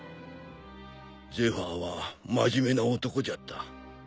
ゼファーは真面目な男じゃった。